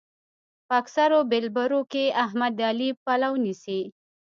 په اکثرو بېلبرو کې احمد د علي پلو نيسي.